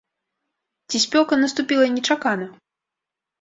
Ці спёка наступіла нечакана?